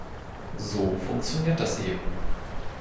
So funktioniert das eben.